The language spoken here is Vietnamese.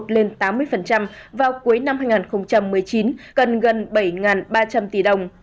lên tám mươi vào cuối năm hai nghìn một mươi chín cần gần bảy ba trăm linh tỷ đồng